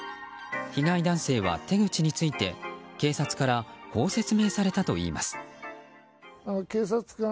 被害男性は手口について警察からこう説明されたといいます。